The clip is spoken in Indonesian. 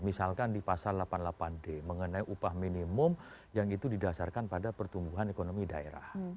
misalkan di pasal delapan puluh delapan d mengenai upah minimum yang itu didasarkan pada pertumbuhan ekonomi daerah